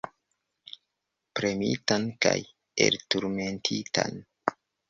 Premitan kaj elturmentitan.